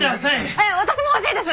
えっ私も欲しいです！